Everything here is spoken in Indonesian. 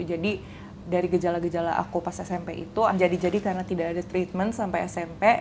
dari gejala gejala aku pas smp itu jadi jadi karena tidak ada treatment sampai smp